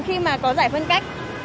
khi mà có giải phân cách